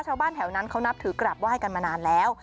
ชาวบ้านแถวนั้นเขานับถือกราบไห้กันมานานแล้ว